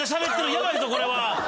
ヤバいぞこれは！